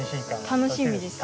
楽しみです。